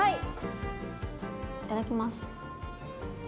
いただきます！